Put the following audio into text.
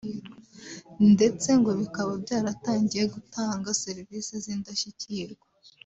ndetse ngo bikaba byaratangiye gutanga serivisi z’indashyikirwa